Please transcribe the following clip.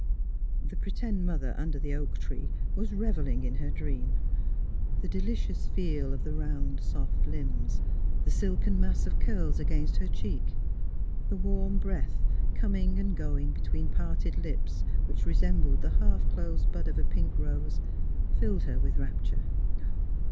The p 'tend mother under the oak tree was re velling in her dream. The delicious feel of the round, soft limbs; the silken mass of curls against her cheek; the warm breath coming and going between parted lips which resembled the half closed bud of a pink rose, filled her with rapture.